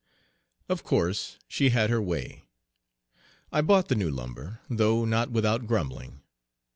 Of course she had her way. I bought the new lumber, though not without grumbling.